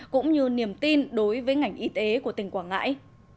cũng như niềm tin đối với ngành y tế của tỉnh quảng ngãi